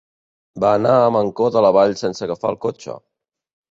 Va anar a Mancor de la Vall sense agafar el cotxe.